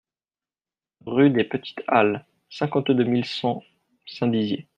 Rue des Petites Halles, cinquante-deux mille cent Saint-Dizier